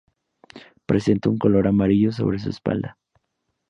Presenta un color amarillo sobre su espalda.